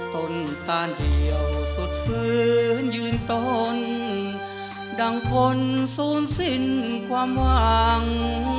ต้นตานเดียวสุดฟื้นยืนต้นดังคนศูนย์สิ้นความหวัง